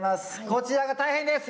こちらが大変です。